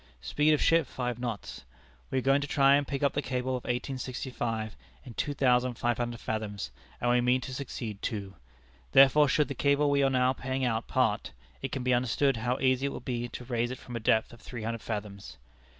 Speed of ship five knots. We are going to try and pick up the cable of 1865 in two thousand five hundred fathoms (and we mean to succeed too); therefore should the cable we are now paying out part, it can be understood how easy it would be to raise it from a depth of three hundred fathoms.